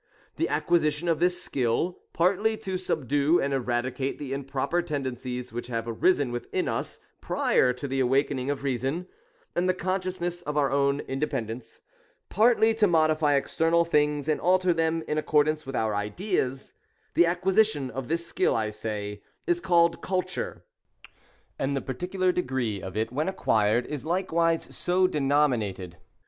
The acquisition of this skill, — partly to subdue and era dicate the improper tendencies which have arisen within us prior to the awakening of Reason, and the consciousness of our own independence — partly to modify external things, and alter them in accordance with our ideas, — the acquisi tion of this skill, I say, is called Culture; and the particu THE ABSOLUTE VOCATION OF MAN. 23 lar degree of it, when acquired, is likewise so denominated.